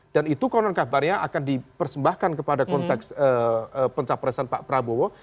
dan itu konon kabarnya akan dipersembahkan kepada konteks pencaparesan pak prabowo